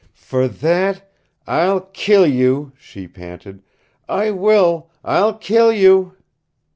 "For that I'll kill you!" she panted. "I will. I'll kill you!"